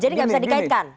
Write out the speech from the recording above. jadi gak bisa dikaitkan